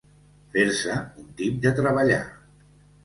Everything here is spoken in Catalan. Fer-se un tip de treballar.